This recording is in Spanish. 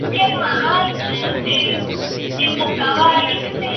Fue investigador titular en el "Centro Regional del Bajío", Pátzcuaro Mich.